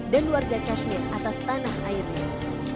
dan warga kashmir atas tanah airnya